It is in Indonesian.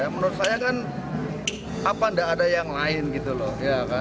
menurut saya kan apa tidak ada yang lain gitu loh